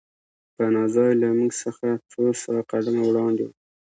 پناه ځای له موږ څخه څو سوه قدمه وړاندې و